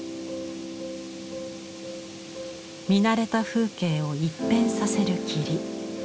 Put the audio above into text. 見慣れた風景を一変させる霧。